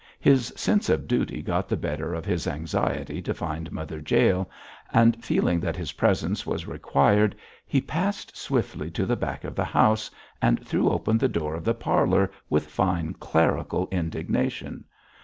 His sense of duty got the better of his anxiety to find Mother Jael, and feeling that his presence was required, he passed swiftly to the back of the house, and threw open the door of the parlour with fine clerical indignation.